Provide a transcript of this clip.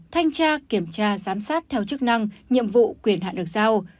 thanh tra kiểm tra giám sát theo chức năng nhiệm vụ quyền hạn được giao